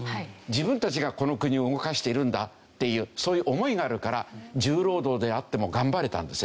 自分たちがこの国を動かしているんだっていうそういう思いがあるから重労働であっても頑張れたんですよね。